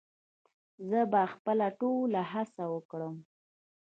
زه به خپله ټوله هڅه وکړم